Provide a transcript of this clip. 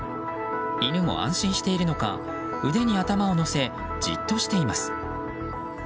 犬も安心しているのか腕に頭を載せじっとしています。